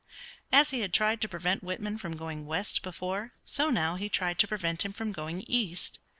As he had tried to prevent Whitman from going west before, so now he tried to prevent him from going east.